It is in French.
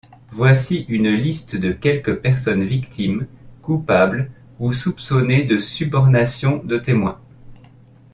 Voici une liste de quelques personnes victimes, coupables ou soupçonnées de subornation de témoin.